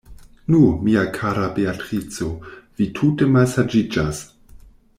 Nu, mia kara Beatrico, vi tute malsaĝiĝas.